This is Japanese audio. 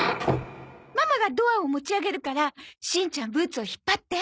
ママがドアを持ち上げるからしんちゃんブーツを引っ張って。